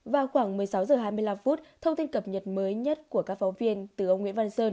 vào khoảng một mươi sáu h hai mươi năm thông tin cập nhật mới nhất của các phóng viên từ ông nguyễn văn sơn